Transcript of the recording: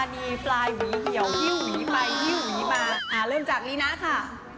เริ่มจากนี้นะค่ะ